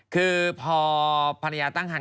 คือพอภรรยาตั้งคัน